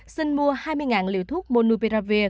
xin mua hai mươi liều thuốc monopiravir